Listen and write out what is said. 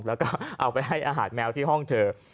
แล้วก็เอาไปให้อาหารแมวที่ห้องเธอ